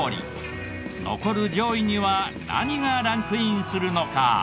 残る上位には何がランクインするのか？